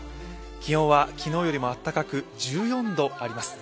気温は昨日よりもあったかく１４度あります。